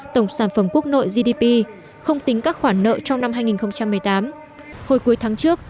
tổng sản phẩm quốc nội gdp không tính các khoản nợ trong năm hai nghìn một mươi tám hồi cuối tháng trước